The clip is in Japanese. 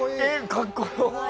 かっこよ！